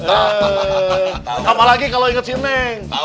apalagi kalau inget si neng